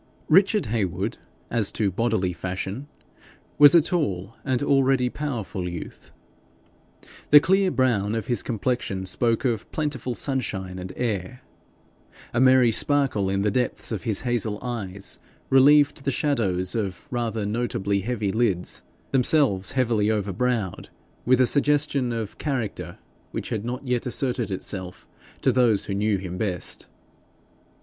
Richard Heywood, as to bodily fashion, was a tall and already powerful youth. The clear brown of his complexion spoke of plentiful sunshine and air. A merry sparkle in the depths of his hazel eyes relieved the shadows of rather notably heavy lids, themselves heavily overbrowed with a suggestion of character which had not yet asserted itself to those who knew him best.